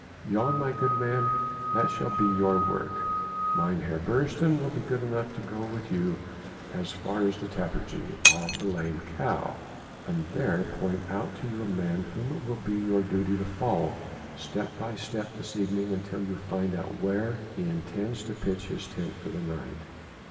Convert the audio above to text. Jan, my good man, that shall be your work. Mynheer Beresteyn will be good enough to go with you as far as the tapperij of the 'Lame Cow,' and there point out to you a man whom it will be your duty to follow step by step this evening until you find out where he intends to pitch his tent for the night.